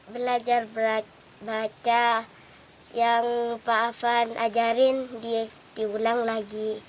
belajar baca yang pak afan ajarin diulang lagi